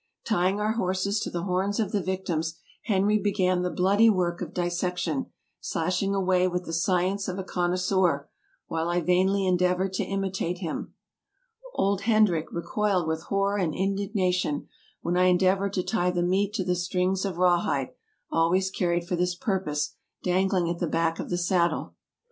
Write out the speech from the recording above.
Tying our horses to the horns of the victims Henry began the bloody work of dissection, slashing away with the sci ence of a connoisseur, while I vainly endeavored to imitate him. Old Hendrick recoiled with horror and indignation when I endeavored to tie the meat to the strings of rawhide, always carried for this purpose, dangling at the back of the saddle.